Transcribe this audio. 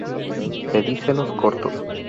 Pedicelos cortos.